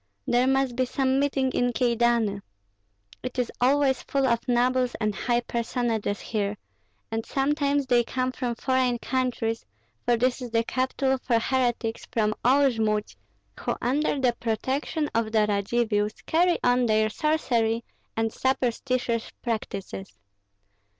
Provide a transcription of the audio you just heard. There must be some meeting in Kyedani. It is always full of nobles and high personages here, and sometimes they come from foreign countries, for this is the capital for heretics from all Jmud, who under the protection of the Radzivills carry on their sorcery and superstitious practices.